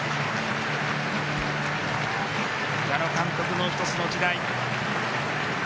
矢野監督の一つの時代。